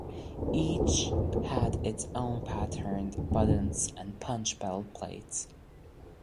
Each had its own pattern buttons and pouch belt plates.